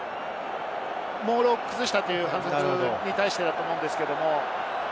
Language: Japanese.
モールを崩したという反則だと思うんですけれども。